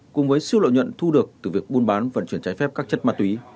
cùng với siêu lợi nhuận thu được từ việc buôn bán vận chuyển trái phép các chất ma túy